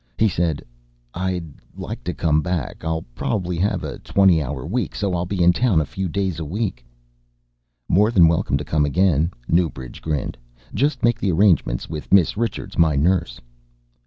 He said, "I'd like to come back. I'll probably have a twenty hour week so I'll be in town a few days a week." "More than welcome to come again," Newbridge grinned. "Just make the arrangements with Miss Richards, my nurse."